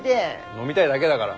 飲みたいだけだから。